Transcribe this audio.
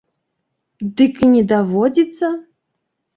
Дык і не даводзіцца.